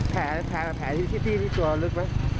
แผลที่พี่ตัวลึกไหม